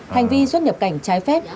hành vi xuất nhập cảnh trái phép